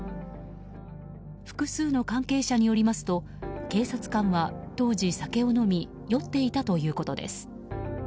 複数の関係者によりますと警察官は当時、酒を飲み酔っていたということです。